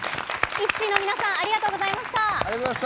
ＩＴＺＹの皆さんありがとうございました。